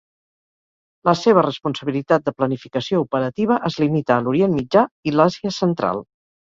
La seva responsabilitat de planificació operativa es limita a l'Orient Mitjà i l'Àsia Central.